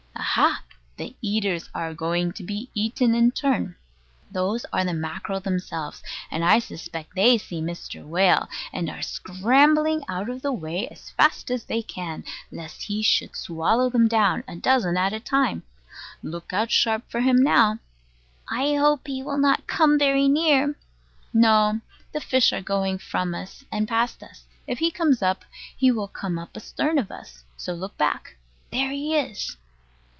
Aha! The eaters are going to be eaten in turn. Those are the mackerel themselves; and I suspect they see Mr. Whale, and are scrambling out of the way as fast as they can, lest he should swallow them down, a dozen at a time. Look out sharp for him now. I hope he will not come very near. No. The fish are going from us and past us. If he comes up, he will come up astern of us, so look back. There he is!